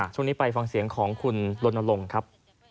ช่วงนี้ไปฟังเสียงของคุณลนลงครับ